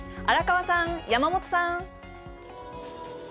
荒川さん、山本さん。